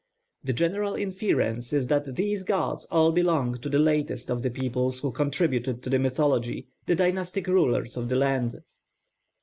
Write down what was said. The general inference is that these gods all belong to the latest of the peoples who contributed to the mythology, the dynastic rulers of the land.